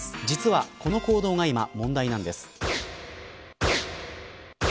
実は、この行動が今問題なんです。